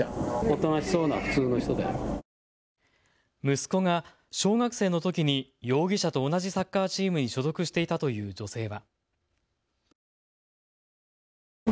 息子が小学生のときに容疑者と同じサッカーチームに所属していたという女性は。